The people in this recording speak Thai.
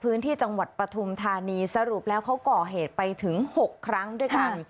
พื้นที่จังหวัดปฐุมธานีสรุปแล้วเขาก่อเหตุไปถึง๖ครั้งด้วยกัน